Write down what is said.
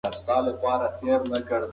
په دې بهیر کې اسیدیت زیاتېږي.